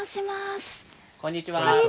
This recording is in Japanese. こんにちは。